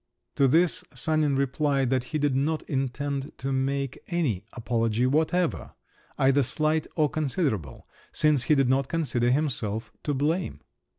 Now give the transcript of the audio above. To this Sanin replied that he did not intend to make any apology whatever, either slight or considerable, since he did not consider himself to blame.